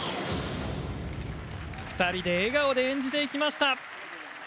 ２人で笑顔で演じていきました。